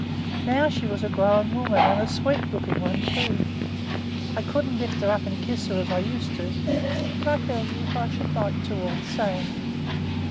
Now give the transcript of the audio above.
Now she was a grown woman, and a sweet looking one too. I couldn't lift her up and kiss her as I used to do, but I felt as if I should like to do it all the same.